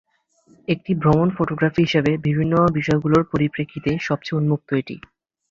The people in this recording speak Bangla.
একটি ভ্রমণ ফটোগ্রাফি হিসাবে বিভিন্ন বিষয়গুলির পরিপ্রেক্ষিতে সবচেয়ে উন্মুক্ত এটি।